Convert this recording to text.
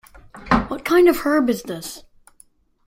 What kind of herb this is?